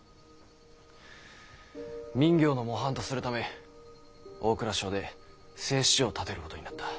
民業の模範とするため大蔵省で製糸場を建てることになった。